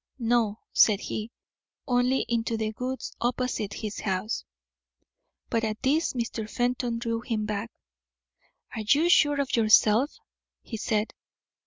"No," said he, "only into the woods opposite his house." But at this Mr. Fenton drew him back. "Are you sure of yourself?" he said.